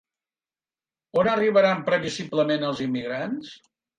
On arribaran previsiblement els immigrants?